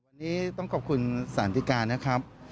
วันนี้ต้องขอบคุณสันติกานะครับ